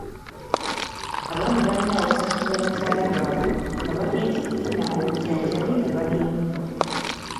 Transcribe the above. Abaami balina okusasulira bakyala baabwe nga bagenze okufuna obujjanjabi nga bali mbuto.